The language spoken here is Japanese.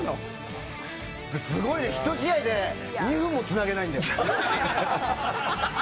すごいね、１試合で２分もつなげれないんだよ。